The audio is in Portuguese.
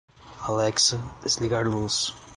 Alexa, desligar luz